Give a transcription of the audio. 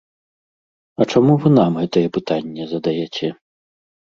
А чаму вы нам гэтае пытанне задаяце?